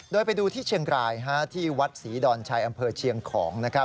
โดยไปดูที่เชียงรายที่วัดศรีดอนชัยอำเภอเชียงของ